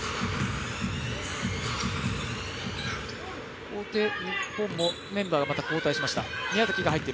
ここで日本もメンバーがまた交代しました。